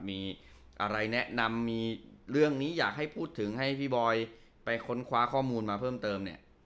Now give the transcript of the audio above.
มีอะไรแนะนำมีเรื่องนี้อยากให้พูดถึงให้พี่บอยไปค้นคว้าข้อมูลมาเพิ่มเติมเนี่ย